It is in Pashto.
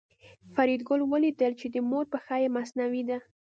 فریدګل ولیدل چې د مور پښه یې مصنوعي ده